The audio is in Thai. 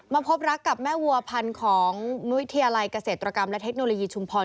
พบรักกับแม่วัวพันธุ์ของวิทยาลัยเกษตรกรรมและเทคโนโลยีชุมพร